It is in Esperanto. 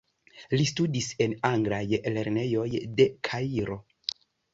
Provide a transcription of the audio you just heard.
Li studis en anglaj lernejoj de Kairo.